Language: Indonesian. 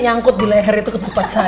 nyangkut di leher itu ketupat saya